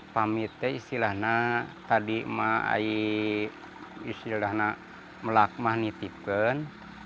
pamitnya istilahnya tadi emak ayik istilahnya melakmah nitipkan